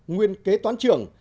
nguyên kế toán trưởng